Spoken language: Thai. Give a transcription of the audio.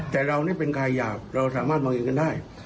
แต่เรานี่เป็นกายหยาบเราสามารถมองเองกันได้